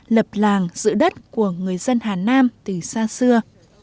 lập làng giữ đất của người dân hà nam từ xa xưa